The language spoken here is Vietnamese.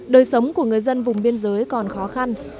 đời sống của người dân vùng biên giới còn khó khăn